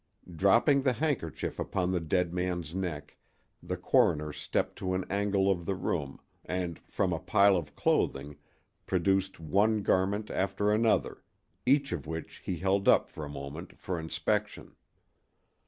Dropping the handkerchief upon the dead man's neck the coroner stepped to an angle of the room and from a pile of clothing produced one garment after another, each of which he held up a moment for inspection.